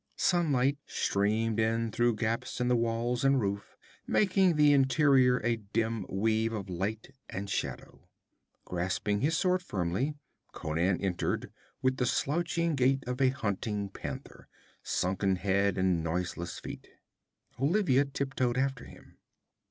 Sunlight streamed in through gaps in the walls and roof, making the interior a dim weave of light and shadow. Grasping his sword firmly, Conan entered, with the slouching gait of a hunting panther, sunken head and noiseless feet. Olivia tiptoed after him.